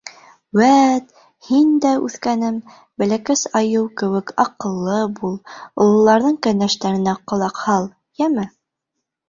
Үәт, һин дә, үҫкәнем, бәләкәс айыу кеүек аҡыллы бул, ололарҙың кәңәштәренә ҡолаҡ һал, йәме.